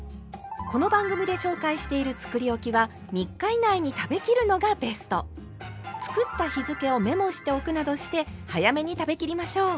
この番組で紹介しているつくりおきは３日以内に食べきるのがベスト。などして早めに食べきりましょう。